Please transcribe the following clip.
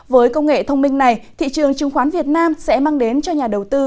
với công nghệ thông minh này thị trường chứng khoán việt nam sẽ mang đến cho nhà đầu tư